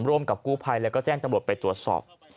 ร่วมกับกู้ภัยแล้วก็แจ้งตำรวจไปตรวจสอบ